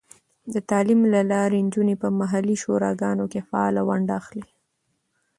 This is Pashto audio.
د تعلیم له لارې، نجونې په محلي شوراګانو کې فعاله ونډه اخلي.